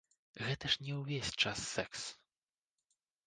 Гэта ж не ўвесь час сэкс.